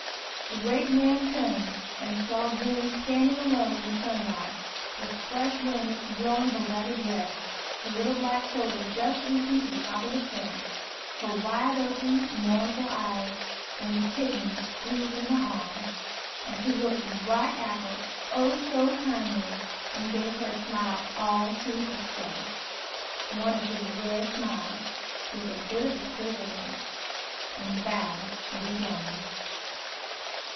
The great man turned, and saw June standing alone in the sunlight, the fresh wind blowing her ragged dress, her little black shoulders just reaching to the top of the fence, her wide open, mournful eyes, and the kitten squeezed in her arms. And he looked right at her, oh, so kindly! and gave her a smile all to herself one of his rare smiles, with a bit of a quiver in it, and bowed, and was gone.